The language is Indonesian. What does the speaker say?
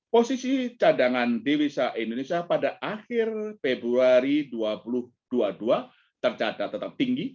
posisi cadangan dewi sa indonesia pada akhir februari dua ribu dua puluh dua tercatat tetap tinggi